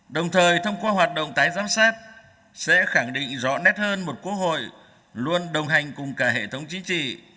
đồng thời thông qua hoạt động tái giám sát sẽ khẳng định rõ nét hơn một quốc hội luôn đồng hành cùng cả hệ thống chính trị